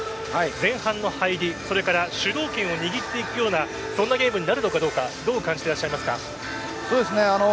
前半の入り、それから主導権を握っていくようなそんなゲームになるのかどうかどう感じていますか？